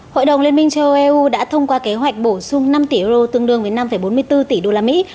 hội đồng liên minh châu âu eu đã thông qua kế hoạch bổ sung năm tỷ euro tương đương với năm bốn mươi bốn tỷ đô la mỹ